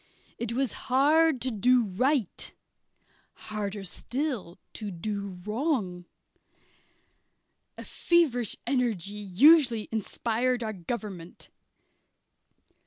It was hard to do right; harder still to do wrong. A feverish energy usually inspired our government.